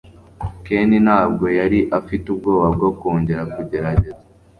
Ken ntabwo yari afite ubwoba bwo kongera kugerageza